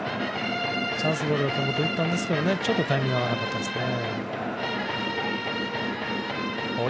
チャンスだと思って打ったんですけどちょっとタイミングが合わなかったですね。